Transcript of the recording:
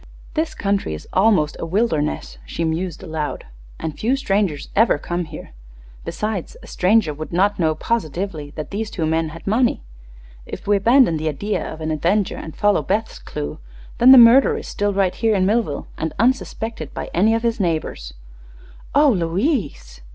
"This country is almost a wilderness," she mused, aloud, "and few strangers ever come here. Besides, a stranger would not know positively that these two men had money. If we abandon the idea of an avenger, and follow Beth's clue, then the murderer is still right here in Millville, and unsuspected by any of his neighbors." "Oh, Louise!"